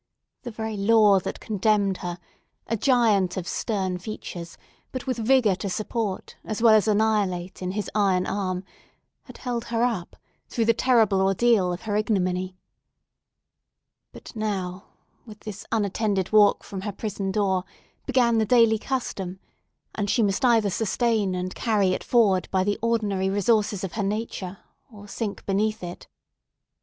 The very law that condemned her—a giant of stern features but with vigour to support, as well as to annihilate, in his iron arm—had held her up through the terrible ordeal of her ignominy. But now, with this unattended walk from her prison door, began the daily custom; and she must either sustain and carry it forward by the ordinary resources of her nature, or sink beneath it.